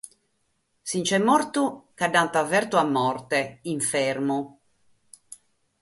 Si nch'est mortu ca l'ant fertu a morte, in Fermu.